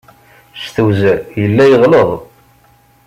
S tewzel, yella yeɣleḍ.